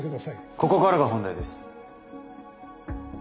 ここからが本題です。